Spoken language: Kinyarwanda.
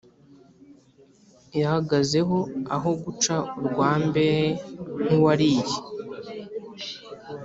yahagazeho aho guca urwa mbehe nk'uwariye